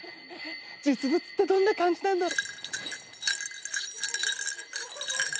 実物ってどんな感じなんだろ？